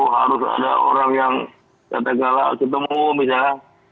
harus ada orang yang kata kata ketemu misalnya